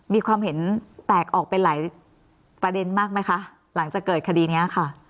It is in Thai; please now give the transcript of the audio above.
มีความเห็นแตกออกเป็นหลายประเด็นมากไหมคะหลังจากเกิดคดีนี้ค่ะ